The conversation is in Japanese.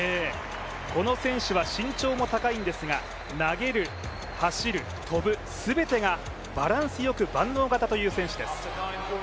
この選手は身長も高いんですけれども、投げる・走る・跳ぶ、全てがバランスよく万能型という選手です。